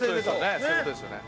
そういう事ですよね。